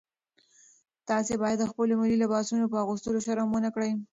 تاسي باید د خپلو ملي لباسونو په اغوستلو شرم ونه کړئ.